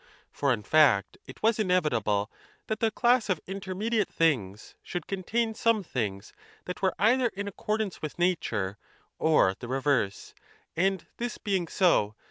For in fact, it was inevitable that the class of inter mediate things should contain some things that were either in accordance with nature, or the reverse, and this being so.